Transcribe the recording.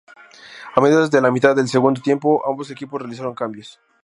A mediados de la mitad del segundo tiempo, ambos equipos realizaron cambios.